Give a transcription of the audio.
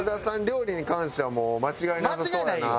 料理に関してはもう間違いなさそうやな。